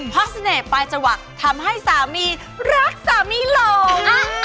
เพราะเสน่ห์ปลายจวักทำให้สามีรักสามีหลง